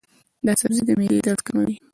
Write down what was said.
دا سبزی د معدې درد کموي.